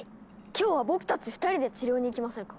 今日は僕たち２人で治療に行きませんか？